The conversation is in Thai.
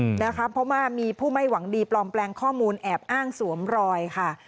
เพราะว่ามีผู้ไม่หวังดีปลอมแปลงข้อมูลแอบอ้างสวมรอยค่ะ